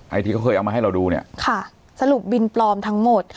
ที่เขาเคยเอามาให้เราดูเนี่ยค่ะสรุปบินปลอมทั้งหมด